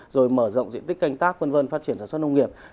rồi mở rộng diện tích canh tác phát triển sản xuất nông nghiệp